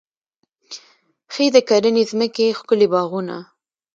ښې د کرنې ځمکې، ښکلي باغونه